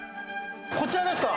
こちらですか？